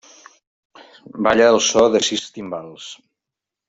Balla al so de sis timbals.